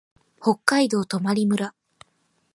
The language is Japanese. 北海道泊村